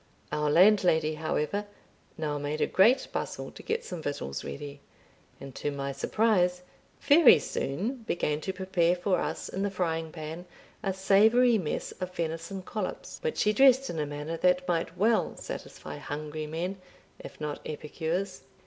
Our landlady, however, now made a great bustle to get some victuals ready, and, to my surprise, very soon began to prepare for us in the frying pan a savoury mess of venison collops, which she dressed in a manner that might well satisfy hungry men, if not epicures.